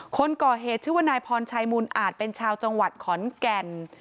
คนก่อเหตุชื่อว่านายพรชัยมูลอาจเป็นชาวจังหวัดขอนแก่น